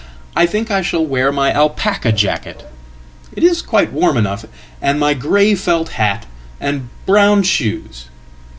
I think I shall wear my alpaca jacket it isquite warm enough and my grey felt hat and brown shoes.